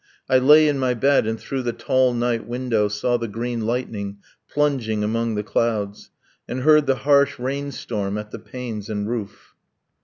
.. I lay in my bed and through the tall night window Saw the green lightning plunging among the clouds, And heard the harsh rain storm at the panes and roof.